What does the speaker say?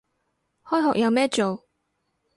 開學有咩做